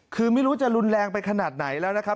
คือไม่รู้จะรุนแรงไปขนาดไหนแล้วนะครับ